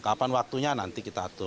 kapan waktunya nanti kita atur